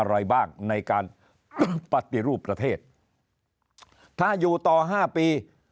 อะไรบ้างในการปฏิรูปประเทศถ้าอยู่ต่อห้าปี